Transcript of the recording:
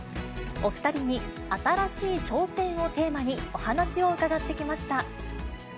お２人に新しい挑戦をテーマにお話を伺ってきました。